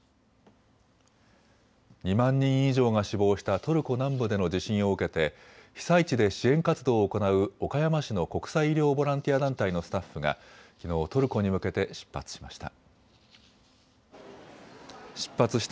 ２万人以上が死亡したトルコ南部での地震を受けて被災地で支援活動を行う岡山市の国際医療ボランティア団体のスタッフがきのうトルコに向けて出発しました。